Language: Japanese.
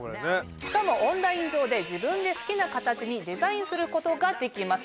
しかもオンライン上で自分で好きな形にデザインすることができます。